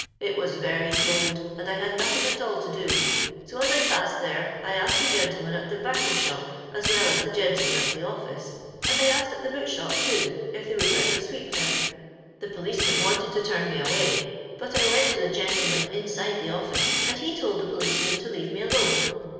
It waa Teqr eoU, and I had nothing at all to do; ao»aa I pansi there, I asked the gentleman at the Daoecr shop, as well as the gentleman at the oAee, and I asked at the boot shop, too» if they weald let me sweep there. The pdf' to turn me awsy, hut I went to the i inside the ofllce, and ha told the ponoenisn to leave me alone.